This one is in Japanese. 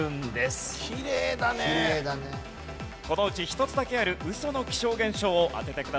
このうち１つだけあるウソの気象現象を当ててください。